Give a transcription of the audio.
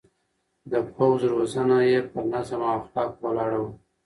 د پوځ روزنه يې پر نظم او اخلاقو ولاړه وه.